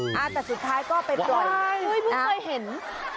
คือสุดท้ายก็เป็นอีก